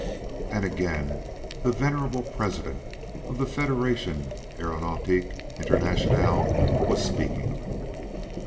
And again the venerable President of the Federation Aeronautique Internationale was speaking.